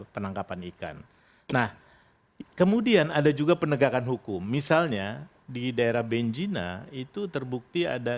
penangkapan ikan nah kemudian ada juga penegakan hukum misalnya di daerah benjina itu terbukti ada